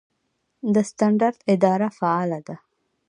د سټنډرډ اداره فعاله ده؟